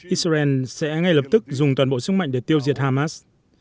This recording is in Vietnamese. israel sẽ ngay lập tức dùng toàn bộ sức mạnh để tiêu diệt hamas